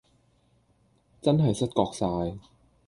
真係失覺哂